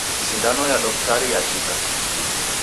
Sindano ya doktari yachika